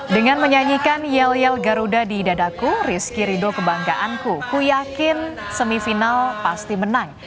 dengan menyanyikan yel yel garuda di dadaku rizky rido kebanggaanku ku yakin semifinal pasti menang